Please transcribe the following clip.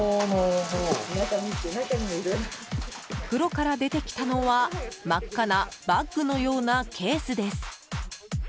袋から出てきたのは、真っ赤なバッグのようなケースです。